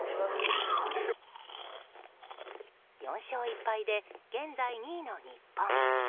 ４勝１敗で現在２位の日本。